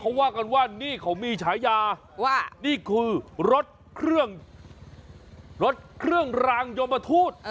ระหว่างกันว่านี่เค้ามีใช้ยาว่านี่คือรถเครื่องรางยมทูต